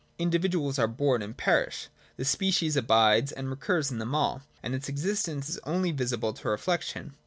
Individuals are born and perish : the species abides and recurs in them all : and its existence is only visible to reflection.